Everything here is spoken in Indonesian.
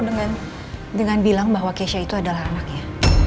dengan dengan bilang bahwa kesha itu adalah anaknya